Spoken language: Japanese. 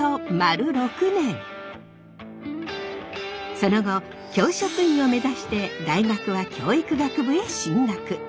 その後教職員を目指して大学は教育学部へ進学。